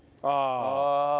ああ。